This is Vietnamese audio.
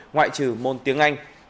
ngoại trừ môn tiếng anh